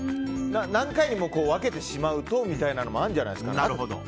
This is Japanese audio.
何回にも分けてしまうとみたいなのがあるんじゃないですかね。